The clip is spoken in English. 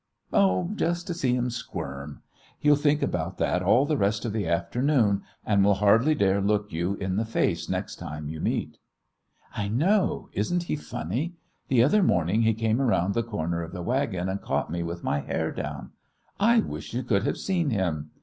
"Oh, just to see him squirm. He'll think about that all the rest of the afternoon, and will hardly dare look you in the face next time you meet." "I know. Isn't he funny? The other morning he came around the corner of the wagon and caught me with my hair down. I wish you could have seen him!"